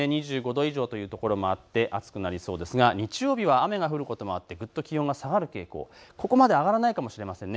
２５度以上というところもあって暑くなりそうですが日曜日は雨が降ることもあって、ぐっと気温が下がってここまで上がらないかもしれません。